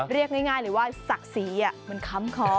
เรียกง่ายเลยว่าศักดิ์ศรีมันค้ำคอ